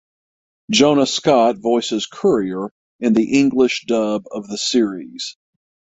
Jonah Scott voices Courier in the English dub of the series.